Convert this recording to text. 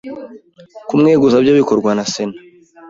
kumweguza byo bikorwa na Sena,